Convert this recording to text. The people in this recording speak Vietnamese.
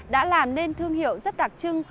đã làm nên thương hiệu rất đặc trưng